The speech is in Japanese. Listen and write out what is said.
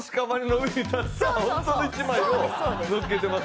ホントの１枚を載っけてますからね。